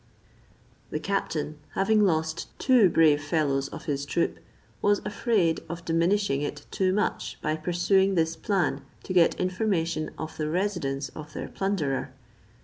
The captain, having lost two brave fellows of his troop, was afraid of diminishing it too much by pursuing this plan to get information of the residence of their plunderer.